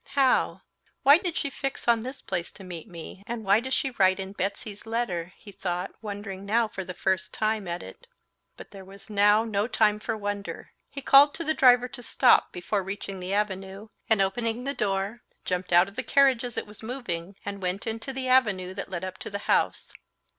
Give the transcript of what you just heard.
How? Why did she fix on this place to meet me, and why does she write in Betsy's letter?" he thought, wondering now for the first time at it. But there was now no time for wonder. He called to the driver to stop before reaching the avenue, and opening the door, jumped out of the carriage as it was moving, and went into the avenue that led up to the house.